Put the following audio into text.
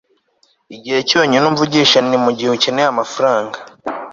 igihe cyonyine umvugisha ni mugihe ukeneye amafaranga